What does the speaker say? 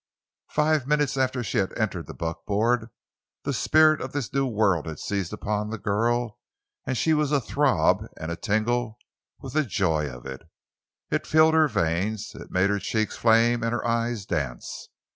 Five minutes after she had entered the buckboard, the spirit of this new world had seized upon the girl and she was athrob and atingle with the joy of it. It filled her veins; it made her cheeks flame and her eyes dance.